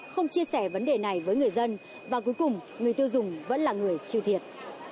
không chia sẻ vấn đề này với người dân và cuối cùng người tiêu dùng vẫn là người siêu thiệt